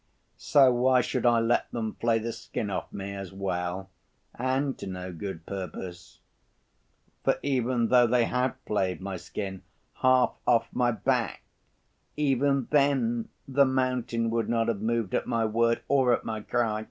So why should I let them flay the skin off me as well, and to no good purpose? For, even though they had flayed my skin half off my back, even then the mountain would not have moved at my word or at my cry.